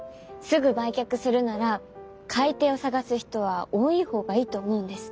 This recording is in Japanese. すぐ売却するなら買い手を探す人は多い方がいいと思うんです。